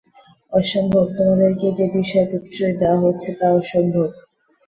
অসম্ভব, তোমাদেরকে যে বিষয়ে প্রতিশ্রুতি দেওয়া হচ্ছে তা অসম্ভব।